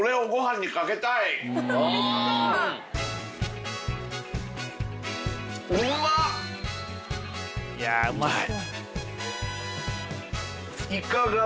いやうまい！